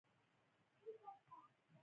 کۀ دا نۀ کوي نو